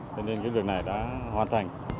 cho nên cái việc này đã hoàn thành